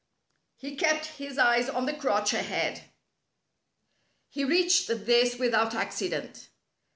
He kept his eyes on the crotch ahead. He reached this without accident.